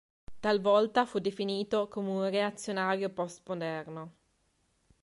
Talvolta fu definito come un "reazionario postmoderno".